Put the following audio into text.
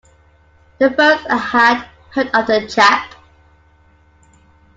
The first I had heard of the chap.